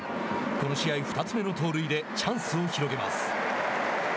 この試合２つ目の盗塁でチャンスを広げます。